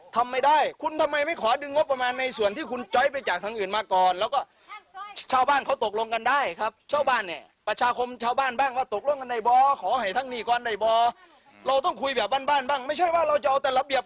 ทำงบประมาณให้มันเกินห้าแสนเราทำได้